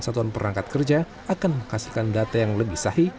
satuan perangkat kerja akan menghasilkan data yang lebih sahih